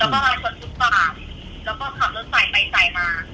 และก็มั่นคนทุกฟาร์มเราก็ขับรถใส่มาแบบเหมือนคนไม่มีทาง